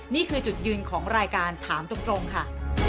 นี่คือจุดยืนของรายการถามตรงค่ะ